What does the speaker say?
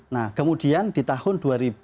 nah kemudian di tahun dua ribu dua